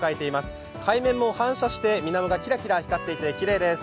海面も反射して水面がキラキラ光っていてきれいです。